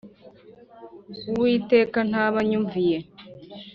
Uwiteka ntaba anyumviye